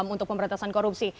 untuk pemberantasan korupsi